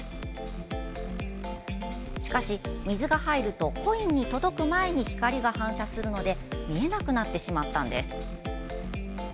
しかし、水が入るとコインに届く前に光が反射するので見えなくなってしまったんです。